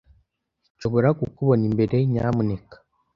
Nshobora kukubona imbere, nyamuneka?